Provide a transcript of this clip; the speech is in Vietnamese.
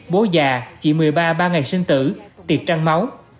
bố già chỉ một mươi ba ba ngày sinh tử tiệc trăng máu